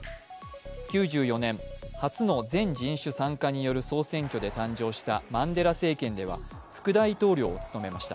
９４年、初の全人種参加による総選挙で誕生したマンデラ政権では副大統領を務めました。